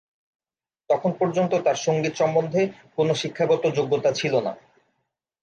তখন পর্যন্ত তার সঙ্গীত সম্বন্ধে কোনো শিক্ষাগত যোগ্যতা ছিল না।